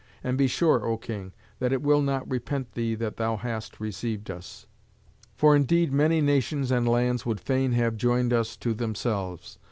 And be sure, O king, that it will not repent thee that thou hast received us. For indeed many nations and lands would fain have joined us to themselves.